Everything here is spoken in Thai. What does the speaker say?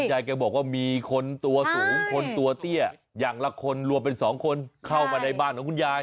ยายแกบอกว่ามีคนตัวสูงคนตัวเตี้ยอย่างละคนรวมเป็น๒คนเข้ามาในบ้านของคุณยาย